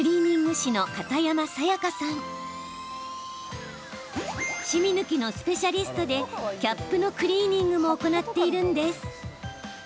シミ抜きのスペシャリストでキャップのクリーニングも行っているんです。